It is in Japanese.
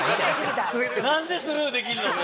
何でスルーできんの？